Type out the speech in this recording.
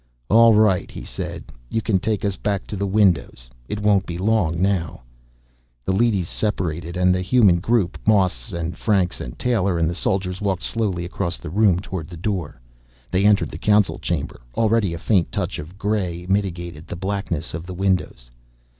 "All right," he said. "You can take us back to the windows. It won't be long now." The leadys separated, and the human group, Moss and Franks and Taylor and the soldiers, walked slowly across the room, toward the door. They entered the Council Chamber. Already a faint touch of gray mitigated the blackness of the windows.